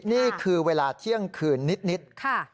นี่คือเวลาเที่ยงคืนนิด